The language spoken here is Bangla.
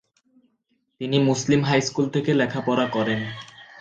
তিনি মুসলিম হাই স্কুল থেকে লেখাপড়া করেন।